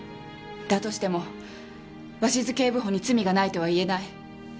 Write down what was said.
だとしても鷲頭警部補に罪がないとは言えない。